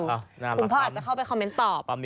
คุณพ่ออาจจะเข้าไปคอมเมนต์ตอบ